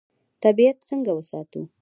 طبیعت څنګه وساتو؟